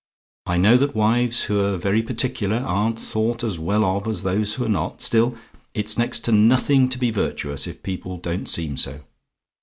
I know that wives who're very particular aren't thought as well of as those who're not still, it's next to nothing to be virtuous, if people don't seem so.